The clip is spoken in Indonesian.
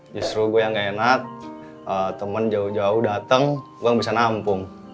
justru gue yang gak enak temen jauh jauh datang gue bisa nampung